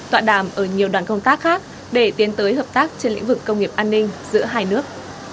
tọa đàm ở nhiều đoàn công tác khác để tiến tới hợp tác trên lĩnh vực công nghiệp an ninh giữa hai nước